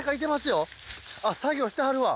作業してはるわ。